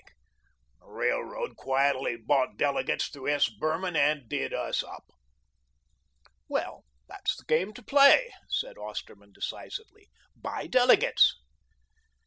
The railroad quietly bought delegates through S. Behrman and did us up." "Well, that's the game to play," said Osterman decisively, "buy delegates."